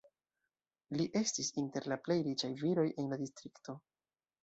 Li estis inter la plej riĉaj viroj en la distrikto.